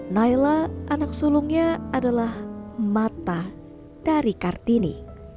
naila anak sulungnya adalah mata dari kartini